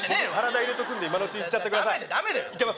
体入れとくんで今のうちいっちゃってくださいいけます